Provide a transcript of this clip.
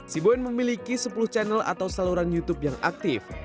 si boen memiliki sepuluh channel atau saluran youtube yang aktif